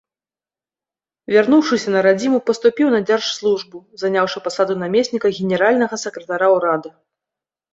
Вярнуўшыся на радзіму, паступіў на дзяржслужбу, заняўшы пасаду намесніка генеральнага сакратара ўрада.